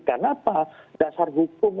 kenapa dasar hukum